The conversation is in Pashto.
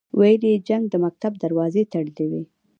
ویل یې جنګ د مکتب دروازې تړلې وې.